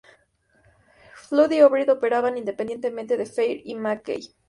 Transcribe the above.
Flood y O'Brien operaban independientemente de Fair y Mackay.